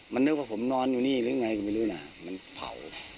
มันนึกว่าผมนอนอยู่นี่หรือไงก็ไม่รู้นะมันเผา